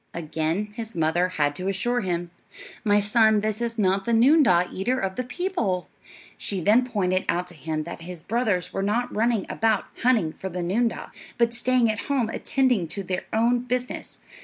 Again his mother had to assure him, "My son, this is not the noondah, eater of the people." She then pointed out to him that his brothers were not running about hunting for the noondah, but staying at home attending to their own business.